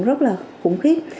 rất là khủng khiếp